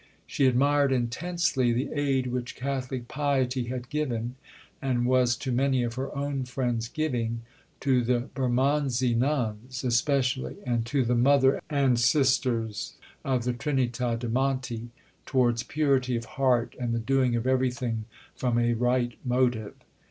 She admired intensely the aid which Catholic piety had given, and was to many of her own friends giving to the Bermondsey Nuns, especially, and to the Mother and Sisters of the Trinità de' Monti towards purity of heart and the doing of everything from a right motive.